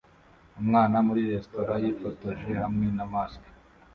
Umwana muri resitora yifotoje hamwe na mask